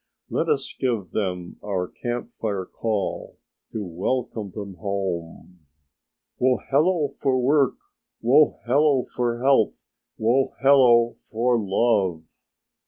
Let us give them our Camp Fire call to welcome them home." "Wohelo for work, Wohelo for health, Wohelo for love!"